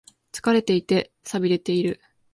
疲れていて、寂れている。